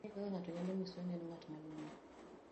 Ere kaka ng'ato nyalo nyisore ni en ng'at malong'o?